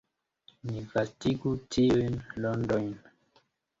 Ni vastigu tiujn rondojn.